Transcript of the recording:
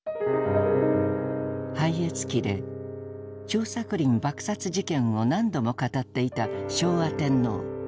「拝謁記」で張作霖爆殺事件を何度も語っていた昭和天皇。